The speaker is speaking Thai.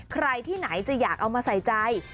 ใครที่ไหนจะอยากเอามาใส่ใจ